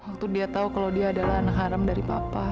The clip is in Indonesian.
waktu dia tahu kalau dia adalah anak haram dari papa